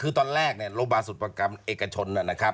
คือตอนแรกโรงพยาบาลสุทธิ์ประกันเอกชน